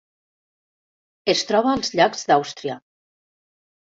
Es troba als llacs d'Àustria.